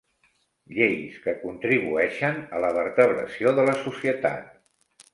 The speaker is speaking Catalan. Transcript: Lleis que contribueixen a la vertebració de la societat.